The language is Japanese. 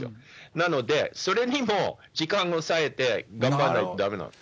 なので、それにも時間を割いて、頑張んないとだめなんです。